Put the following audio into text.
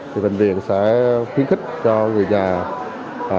thì bệnh viện sẽ khuyến khích cho người già